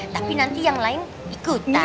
tapi nanti yang lain ikut